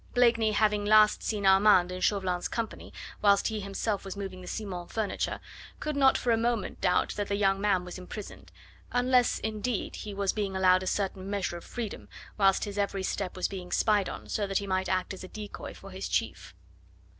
Blakeney having last seen Armand in Chauvelin's company, whilst he himself was moving the Simons' furniture, could not for a moment doubt that the young man was imprisoned, unless, indeed, he was being allowed a certain measure of freedom, whilst his every step was being spied on, so that he might act as a decoy for his chief.